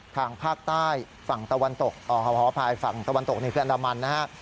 ภาคภาคใต้ฝั่งตะวันออกฝั่งตะวันออกนี่คืออันดรรมันนะฮะ